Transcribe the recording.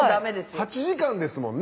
８時間ですもんね